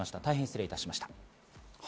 大変失礼いたしました。